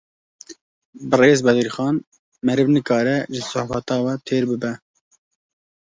Birêz Bedirxan, meriv nikare ji sohbeta we têr bibe